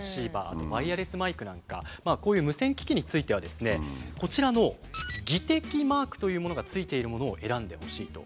あとワイヤレスマイクなんかこういう無線機器についてはですねこちらの「技適マーク」というものが付いてるものを選んでほしいと。